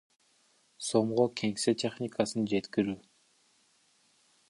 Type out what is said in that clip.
сомго кеңсе техникасын жеткирүү.